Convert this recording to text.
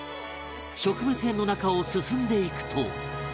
植物園の中を進んでいくと